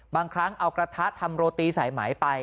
บางครั้งเอากระทะทำโรตีสายไหมไป